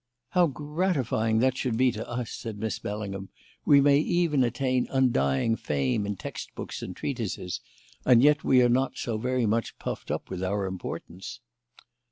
"How gratifying that should be to us!" said Miss Bellingham. "We may even attain undying fame in textbooks and treatises; and yet we are not so very much puffed up with our importance."